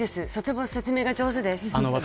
とても、説明が上手です。